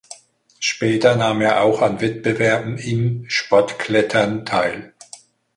Später nahm er auch an Wettbewerben im Sportklettern teil.